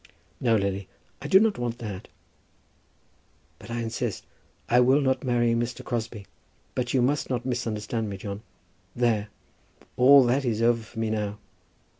"No, Lily, I do not want that." "But I insist. I will not marry Mr. Crosbie. But you must not misunderstand me, John. There; all that is over for me now.